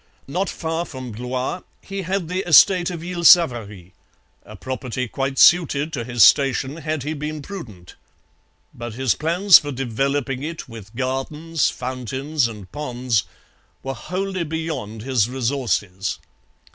Not far from Blois he had the estate of Isle Savary a, property quite suited to his station had he been prudent. But his plans for developing it, with gardens, fountains, and ponds, were wholly beyond his resources.